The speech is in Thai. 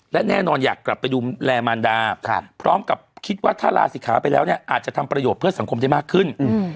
และแน่นอนอยากกลับไปดูแลมารดาพร้อมกับคิดว่าถ้าลาศิกขาไปแล้วเนี่ยอาจจะทำประโยชน์เพื่อสังคมได้มากขึ้น